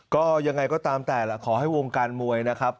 ก็ยังไงก็ตามแต่ละขอให้วงการมวยนะครับ